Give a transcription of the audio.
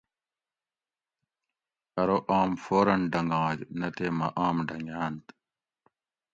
ارو آم فوراً ڈنگاگ نہ تے مہ آم ڈنگاۤنت